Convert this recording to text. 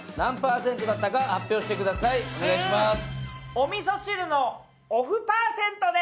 お味噌汁のおふパーセントです。